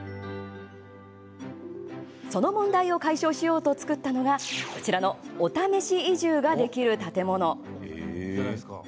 その問題を解消しようと造ったのがこちらのお試し移住ができる建物。